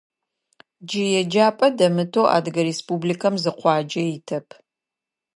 Джы еджапӏэ дэмытэу Адыгэ Республикэм зы къуаджэ итэп.